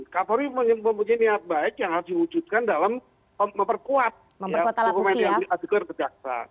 kapolri mempunyai niat baik yang harus diwujudkan dalam memperkuat dokumen yang diajukan ke jaksa